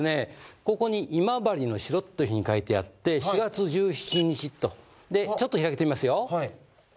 ここに「今治の城」と書いてあって４月１７日とちょっと開けてみますよ。